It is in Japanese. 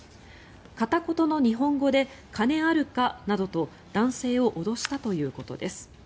片言の日本語で金あるかなどと男性を脅したということです。